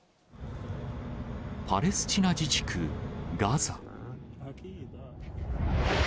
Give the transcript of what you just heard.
パレスチナ自治区ガザ。